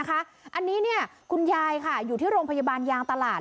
อันนี้คุณยายอยู่ที่โรงพยาบาลยางตลาด